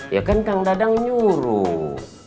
ya kan kang dadang nyuruh